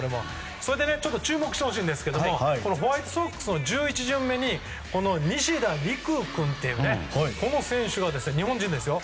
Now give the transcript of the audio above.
それで、ちょっと注目してほしいんですがホワイトソックスの１１巡目に西田陸浮君というこの選手が日本人ですよ